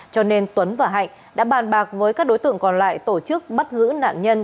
cho nên tuấn và hạnh đã bàn bạc với các đối tượng còn lại tổ chức bắt giữ nạn nhân